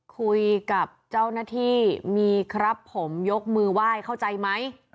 คุยกับเจ้าหน้าที่มีครับผมยกมือไหว้เข้าใจไหม